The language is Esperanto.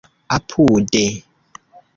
apude